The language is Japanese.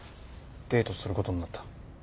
デートすることになった。